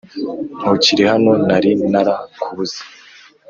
ntukiri hano nari nara kubuze